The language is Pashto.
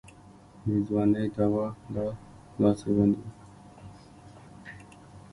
د ځوانۍ دوا دا داسې به نه وي.